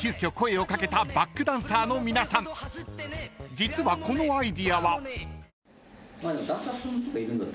［実はこのアイデアは］